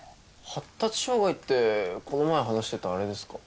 発達障害ってこの前話してたあれですか？